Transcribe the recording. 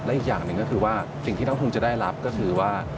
อีกอย่างหนึ่งก็คือว่าสิ่งที่ต้องคงจะได้รับก็คือว่า